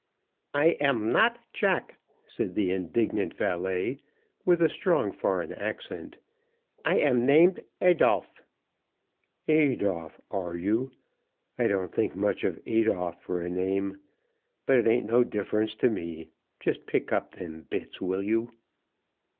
"I am not Jack," said the indignant valet, with a strong foreign accent. "I am named Adolphe." "Adolphe, are you? I don't think much of Adolphe for a name; but it ain't no difference to me. Just pick up them bits; will you?"